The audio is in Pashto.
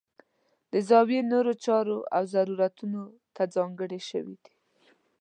د زاویې نورو چارو او ضرورتونو ته ځانګړې شوي دي.